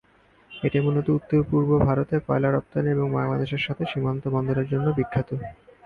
এটি মুলত উত্তর পূর্ব ভারতে কয়লা রপ্তানি এবং বাংলাদেশের সাথে সীমান্ত বন্দরের জন্য বিখ্যাত।